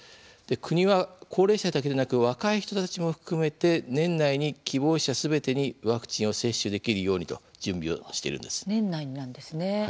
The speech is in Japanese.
国は高齢者だけでなく若い人たちも含めて年内に希望者すべてにワクチンを接種できるようにと年内になんですね。